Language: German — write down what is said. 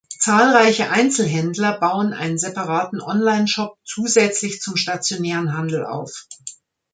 Zahlreiche Einzelhändler bauen einen separaten Onlineshop zusätzlich zum stationären Handel auf.